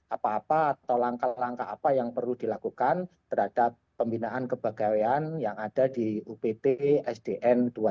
apa apa atau langkah langkah apa yang perlu dilakukan terhadap pembinaan kepegawaian yang ada di upt sdn dua ratus dua puluh